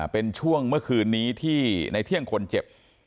เป็นช่วงเมื่อคืนนี้ที่ในเที่ยงคนเจ็บ